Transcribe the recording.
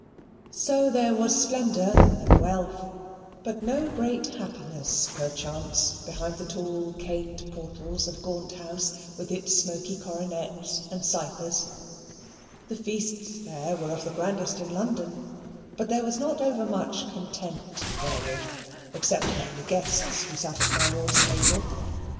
So there was splendour and wealth, but no great happiness perchance, behind the tall caned portals of Gaunt House with its smoky coronets and ciphers. The feasts there were of the grandest in London, but there was not overmuch content therewith, except among the guests who sat at my lord's table.